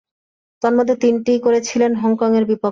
তন্মধ্যে, তিনটিই করেছিলেন হংকংয়ের বিপক্ষে।